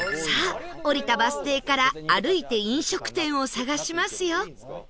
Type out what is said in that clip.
さあ降りたバス停から歩いて飲食店を探しますよ